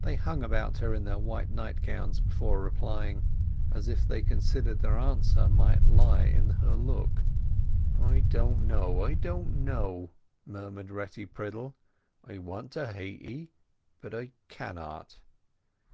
They hung about her in their white nightgowns before replying, as if they considered their answer might lie in her look. "I don't know—I don't know," murmured Retty Priddle. "I want to hate 'ee; but I cannot!"